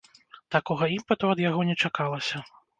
Такога імпэту ад яго не чакалася.